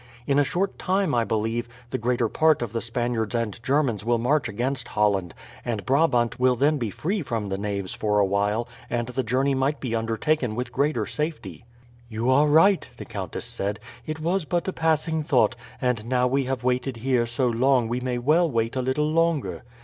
In a short time, I believe, the greater part of the Spaniards and Germans will march against Holland, and Brabant will then be free from the knaves for awhile, and the journey might be undertaken with greater safety." "You are right," the countess said. "It was but a passing thought, and now we have waited here so long we may well wait a little longer.